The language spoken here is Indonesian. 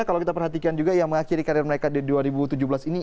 kalau kita perhatikan juga yang mengakhiri karir mereka di dua ribu tujuh belas ini